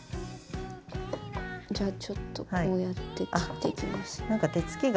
じゃあちょっとこうやって切っていきます。